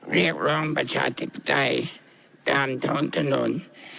เรียกร้องประชาธิปไตยตามท้องถนน